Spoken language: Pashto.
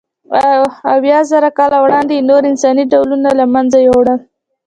اویازره کاله وړاندې یې نور انساني ډولونه له منځه یووړل.